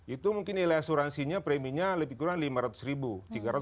itu mungkin nilai asuransinya preminya lebih kurang lima ratus ribu